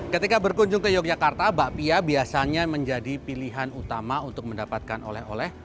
ketika berkunjung ke yogyakarta bakpia biasanya menjadi pilihan utama untuk mendapatkan oleh oleh